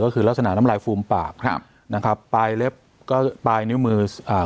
ก็คือลักษณะน้ำลายฟูมปากครับนะครับปลายเล็บก็ปลายนิ้วมืออ่า